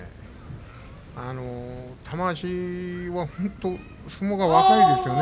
玉鷲は本当、相撲が若いですよね。